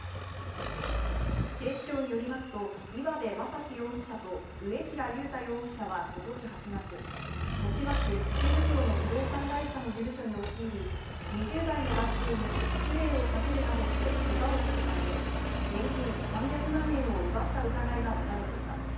警視庁によりますと、岩部真心容疑者と、上平悠太容疑者はことし８月、豊島区池袋の不動産会社の事務所に押し入り、２０代の男性にスプレーをかけるなどして、けがをさせたうえ、現金３００万円を奪った疑いが持たれています。